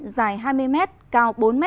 dài hai mươi m cao bốn m